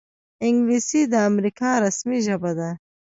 انګلیسي د امریکا رسمي ژبه ده